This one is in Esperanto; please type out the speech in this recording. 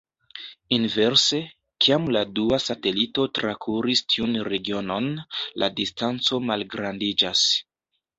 Inverse, kiam la dua satelito trakuras tiun regionon, la distanco malgrandiĝas.